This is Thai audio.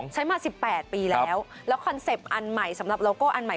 ใช้มา๑๘ปีแล้วแล้วคอนเซ็ปต์อันใหม่สำหรับโลโก้อันใหม่